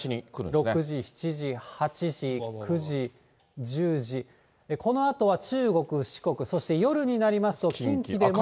６時、７時、８時、９時、１０時、このあとは中国、四国、そして夜になりますと、近畿でも。